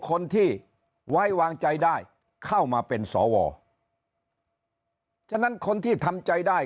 คนที่ไว้วางใจได้เข้ามาเป็นสวฉะนั้นคนที่ทำใจได้